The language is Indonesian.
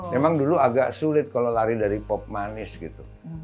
memang dulu agak sulit kalau lari dari pop manis gitu